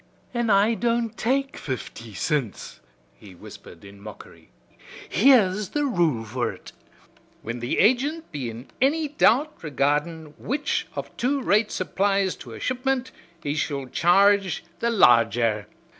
"An' I don't take fifty cints," he whispered in mockery. "Here's the rule for ut. 'Whin the agint be in anny doubt regardin' which of two rates applies to a shipment, he shall charge the larger.